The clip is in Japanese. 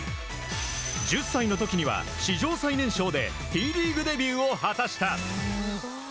１０歳の時には史上最年少でＴリーグデビューを果たした。